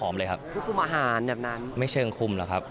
ไม่เชิงคุมละครับ